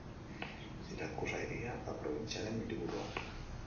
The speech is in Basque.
Sirakusa hiria da probintziaren hiriburua.